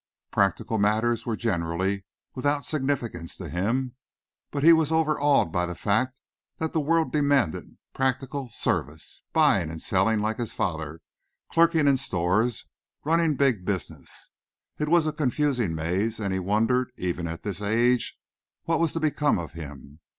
Practical matters were generally without significance to him. But he was overawed by the fact that the world demanded practical service buying and selling like his father, clerking in stores, running big business. It was a confusing maze, and he wondered, even at this age, what was to become of him.